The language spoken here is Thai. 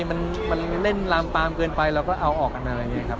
มันเล่นลามปามเกินไปเราก็เอาออกกันอะไรอย่างนี้ครับ